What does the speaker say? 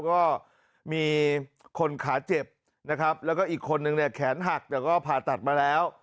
ก็มีคนขาเจ็บนะครับแล้วก็อีกคนนึงเนี่ยแขนหักแต่ก็ผ่าตัดมาแล้ว